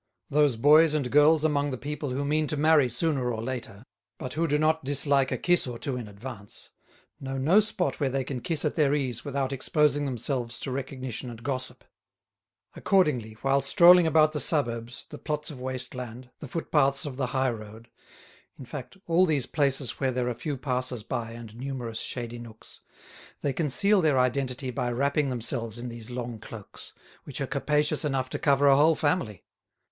Those boys and girls among the people who mean to marry sooner or later, but who do not dislike a kiss or two in advance, know no spot where they can kiss at their ease without exposing themselves to recognition and gossip. Accordingly, while strolling about the suburbs, the plots of waste land, the footpaths of the high road—in fact, all these places where there are few passers by and numerous shady nooks—they conceal their identity by wrapping themselves in these long cloaks, which are capacious enough to cover a whole family.